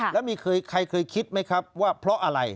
แล้วมีใครเคยคิดไหมครับว่าเพราะอะไร